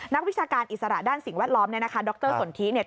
วิชาการอิสระด้านสิ่งแวดล้อมเนี่ยนะคะดรสนทิเนี่ย